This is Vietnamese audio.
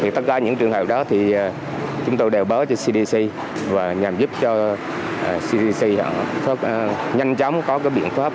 tất cả những trường hợp đó thì chúng tôi đều báo cho cdc và nhằm giúp cho cdc nhanh chóng có biện pháp